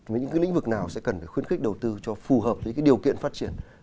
với những cái lĩnh vực nào sẽ cần phải khuyến khích đầu tư cho phù hợp với cái điều kiện phát triển